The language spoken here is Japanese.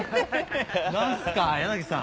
何すか柳さん